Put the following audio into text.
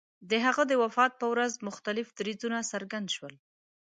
د هغه د وفات په ورځ مختلف دریځونه څرګند شول.